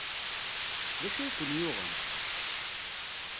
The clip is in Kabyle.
D acu ay ken-yuɣen?